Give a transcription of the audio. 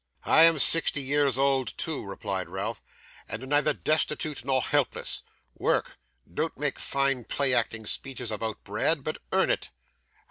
'I am sixty years old, too,' replied Ralph, 'and am neither destitute nor helpless. Work. Don't make fine play acting speeches about bread, but earn it.